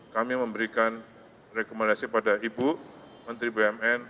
kami memberikan rekomendasi pada ibu menteri bumn